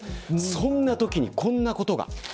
そんなときに、こんなことが。